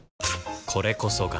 これこそが